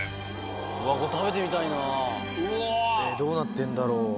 どうなってんだろう。